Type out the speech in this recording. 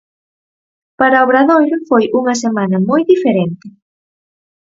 Para Obradoiro foi unha semana moi diferente.